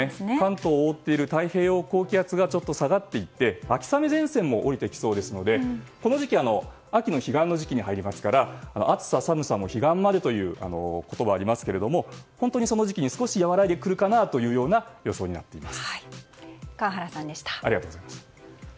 関東を覆っている太平洋高気圧が下がっていって秋雨前線も下りてきそうですのでこの時期秋の彼岸の時期に入りますから暑さも寒さも彼岸までという言葉もありますけどその時期に和らいでくるかなという川原さんでした。